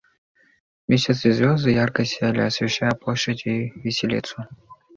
Месяц и звезды ярко сияли, освещая площадь и виселицу.